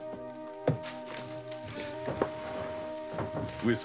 上様